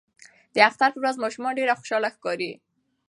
د اختر په ورځ ماشومان ډیر خوشاله ښکاري.